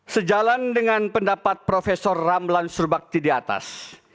sejalan dengan pendapat prof ramlan surbakti di atas